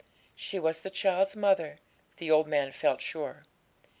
She was the child's mother, the old man felt sure.